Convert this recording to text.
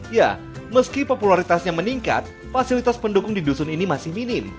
ya meski popularitasnya meningkat fasilitas pendukung di dusun ini masih minim